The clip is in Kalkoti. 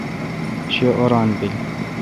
شہ اوران بیل